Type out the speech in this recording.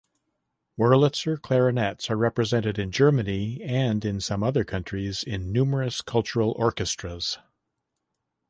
Wurlitzer clarinets are represented in Germany and some other countries in numerous cultural orchestras.